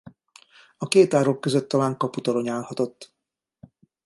A két árok között talán kaputorony állhatott.